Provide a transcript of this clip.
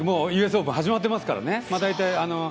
オープン始まってますからね。